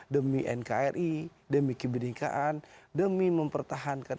demi nkri demi kebenekaan demi mempertahankan